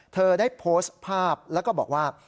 เธอได้โพสต์ภาพแล้วก็บอกว่า